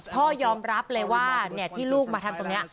พ่อยอมรับเลยว่าที่ลูกมาทำตรงนี้